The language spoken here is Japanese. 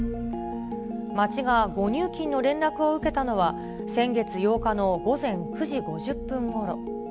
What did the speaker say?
町が誤入金の連絡を受けたのは、先月８日の午前９時５０分ごろ。